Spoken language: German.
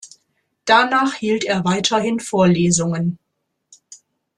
Danach hielt er weiterhin Vorlesungen.